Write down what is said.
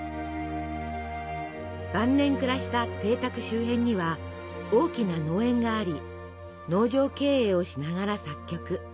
晩年暮らした邸宅周辺には大きな農園があり農場経営をしながら作曲。